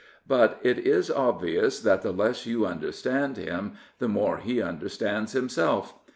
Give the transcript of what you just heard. But it is obvious that the less you understand him the more he understands himself.